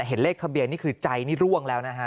เห็นเลขทะเบียนนี่คือใจนี่ร่วงแล้วนะฮะ